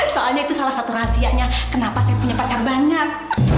soalnya itu salah satu rahasianya kenapa saya punya pacar banget